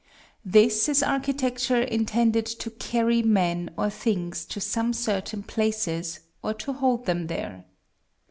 This is architecture intended to carry men or things to some certain places, or to hold them there.